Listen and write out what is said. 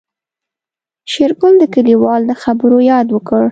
شېرګل د کليوال د خبرو ياد وکړ.